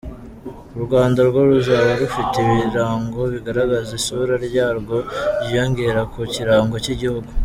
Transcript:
U Rwanda rwo ruzaba rufite ibirango bigaragaza isura yarwo byiyongera ku kirango cy’igihugu.